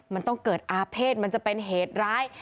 มันต้องเกิดอาเภษมันจะเป็นเหตุร้าย